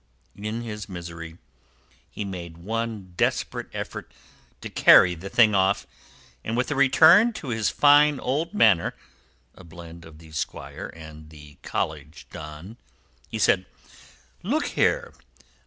In his misery he made one desperate effort to carry the thing off, and, with a return to his fine old manner—a blend of the Squire and the College Don—he said, "Look here!